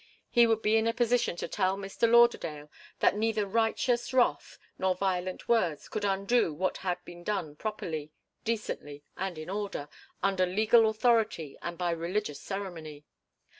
He would be in a position to tell Mr. Lauderdale that neither righteous wrath nor violent words could undo what had been done properly, decently and in order, under legal authority, and by religious ceremony.